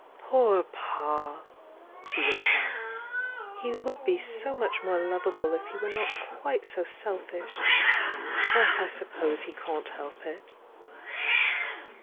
"Poor Pa!" she would sigh. "He would be so much more lovable if he were not quite so selfish. But I suppose he can't help it."